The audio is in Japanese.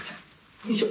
よいしょ。